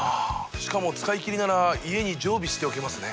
しかも使いきりなら家に常備しておけますね。